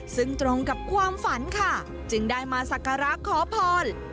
ซึ่งตรงกับความฝันค่ะจึงได้มาสักการะขอพร